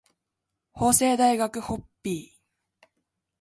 法政大学ホッピー